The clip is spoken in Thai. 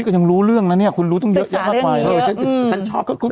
ก็ยังรู้เรื่องครับ